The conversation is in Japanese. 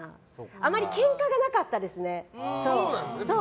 あまりケンカがなかったですね。